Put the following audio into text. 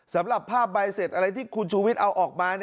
สำหรับภาพใบเสร็จอะไรที่คุณชูวิทย์เอาออกมา